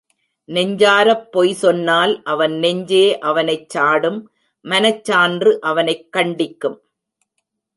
நெஞ்சாரப் பொய் சொன்னால் அவன் நெஞ்சே அவனைச் சாடும் மனச்சான்று அவனைக் கண்டிக்கும்.